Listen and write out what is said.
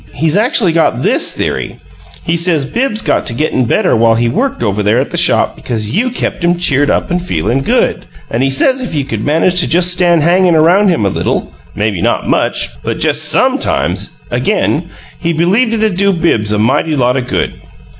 He's actually got THIS theory: he says Bibbs got to gettin' better while he worked over there at the shop because you kept him cheered up and feelin' good. And he says if you could manage to just stand him hangin' around a little maybe not much, but just SOMEtimes again, he believed it'd do Bibbs a mighty lot o' good.